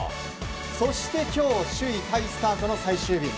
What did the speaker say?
そして、今日首位タイスタートの最終日。